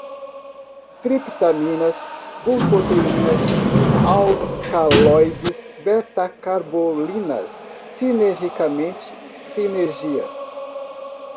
triptaminas, bufoteína, alcaloide, betacarbolinas, sinergicamente, sinergia